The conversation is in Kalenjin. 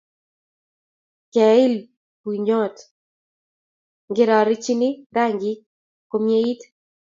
Ke il pundiyot ng'echeranin rangik komyeit.